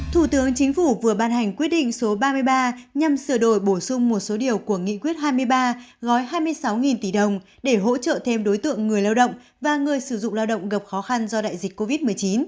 thủ tướng chính phủ vừa ban hành quyết định số ba mươi ba nhằm sửa đổi bổ sung một số điều của nghị quyết hai mươi ba gói hai mươi sáu tỷ đồng để hỗ trợ thêm đối tượng người lao động và người sử dụng lao động gặp khó khăn do đại dịch covid một mươi chín